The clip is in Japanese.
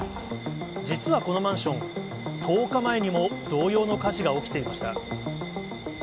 実はこのマンション、１０日前にも同様の火事が起きていました。